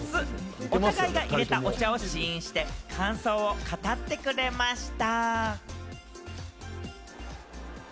お互いがいれたお茶を試飲して感想を述べてくれました。